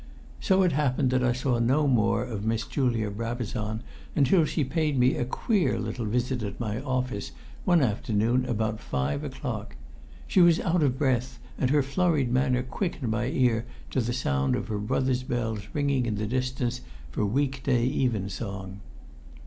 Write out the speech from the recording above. So it happened that I saw no more of Miss Julia Brabazon until she paid me a queer little visit at my office one afternoon about five o'clock. She was out of breath, and her flurried manner quickened my ear to the sound of her brother's bells ringing in the distance for week day evensong.